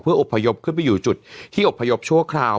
อบพยพขึ้นไปอยู่จุดที่อบพยพชั่วคราว